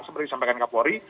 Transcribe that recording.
seperti disampaikan kapolri